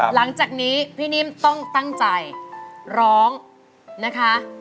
หลังจากนี้พี่นิ่มต้องตั้งใจร้องนะคะ